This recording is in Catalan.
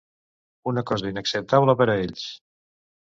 Una cosa inacceptable per a ells.